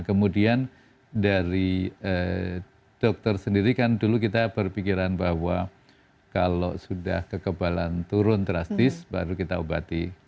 kemudian dari dokter sendiri kan dulu kita berpikiran bahwa kalau sudah kekebalan turun drastis baru kita obati